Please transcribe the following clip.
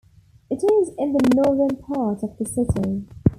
It is in the northern part of the city.